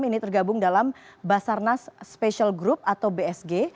ini tergabung dalam basarnas special group atau bsg